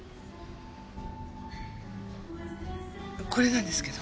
これなんですけど。